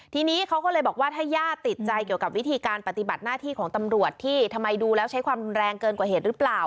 ทีนี้เขาก็เลยบอกว่าถ้าญาติติดใจเกี่ยวกับวิธีการปฏิบัติหน้าที่ของตำรวจที่ทำไมดูแล้วใช้ความรุนแรงเกินกว่าเหตุหรือเปล่า